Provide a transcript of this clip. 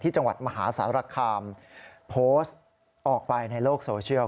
จังหวัดมหาสารคามโพสต์ออกไปในโลกโซเชียล